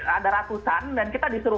ada ratusan dan kita disuruh